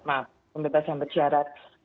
maaf pembebasan bersyarat